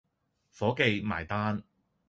伙記，埋單